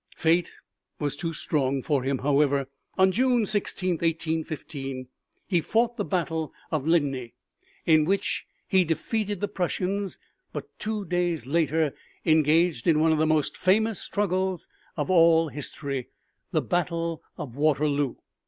Fate was too strong for him, however. On June 16th, 1815, he fought the battle of Ligny in which he defeated the Prussians, but two days later he engaged in one of the most famous struggles of all history the battle of Waterloo.